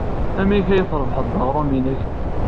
Amek ay d-trebbḥed aɣrum-nnek?